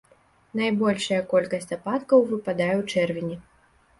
Найбольшая колькасць ападкаў выпадае ў чэрвені.